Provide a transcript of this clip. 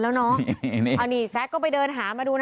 และก็คือว่าถึงแม้วันนี้จะพบรอยเท้าเสียแป้งจริงไหม